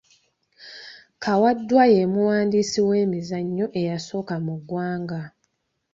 Kawadwa ye muwandiisi w’emizannyo eyasooka mu ggwanga.